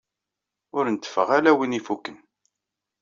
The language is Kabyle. Ur nteffeɣ ala win ifukken.